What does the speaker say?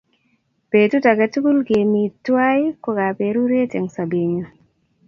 Petut ake tukul kemi twai ko kaperuret eng' sobennyu.